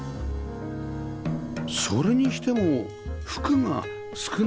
それにしても服が少なくないですか？